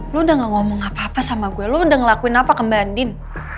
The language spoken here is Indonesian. lo udah gak ngomong apa apa sama gue lo udah ngelakuin apa ke mbak andin